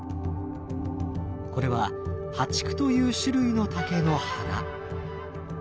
これは淡竹という種類の竹の花。